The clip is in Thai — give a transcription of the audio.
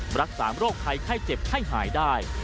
รักษาโรคภัยไข้เจ็บให้หายได้